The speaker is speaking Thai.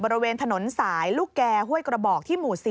บริเวณถนนสายลูกแก่ห้วยกระบอกที่หมู่๔